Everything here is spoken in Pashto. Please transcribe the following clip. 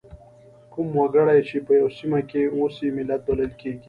کوم وګړي چې په یوه سیمه کې اوسي ملت بلل کیږي.